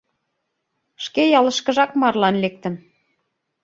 Шке ялышкыжак марлан лектын.